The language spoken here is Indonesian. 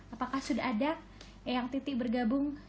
apakah sudah ada yang titik bergabung